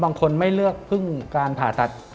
บางคนไม่เลือกพึ่งการผ่าตัด